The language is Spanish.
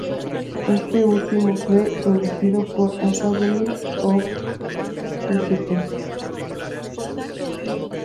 Este último fue producido por “Academy of St.